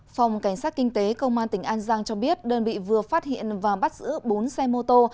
phòng cảnh sát kinh tế công an tỉnh an giang cho biết đơn vị vừa phát hiện và bắt giữ bốn xe mô tô